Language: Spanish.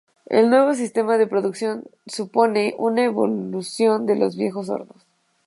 El nuevo sistema de producción supone una evolución de los viejos hornos.